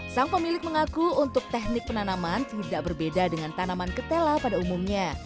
sang pemilik mengaku untuk teknik penanaman tidak berbeda dengan tanaman ketela pada umumnya